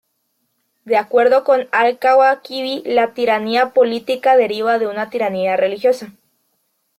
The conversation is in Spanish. De acuerdo con al-Kawakibi, la tiranía política deriva de una tiranía religiosa.